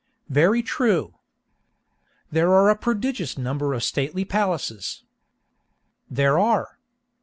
Very true. "There are a prodigious number of stately palaces." There are.